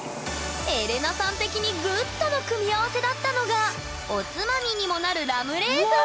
エレナさん的にグッドの組み合わせだったのがおつまみにもなるわ！